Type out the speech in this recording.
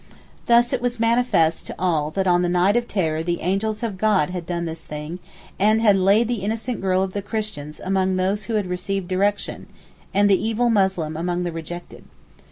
Thus it was manifest to all that on the night of terror the angels of God had done this thing, and had laid the innocent girl of the Christians among those who have received direction, and the evil Muslim among the rejected.